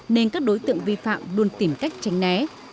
nên các đối tượng vi phạm luôn tìm cách tránh né